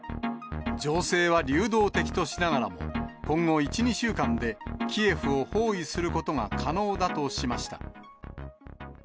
情勢は流動的としながらも、今後１、２週間でキエフを包囲することが可能だとしました。